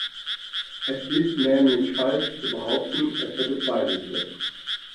Es ist nämlich falsch zu behaupten, es hätte zwei Sitze.